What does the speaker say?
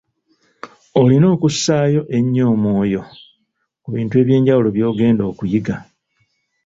Olina okussaayo ennyo omwoyo ku bintu eby’enjawulo by’ogenda okuyiga.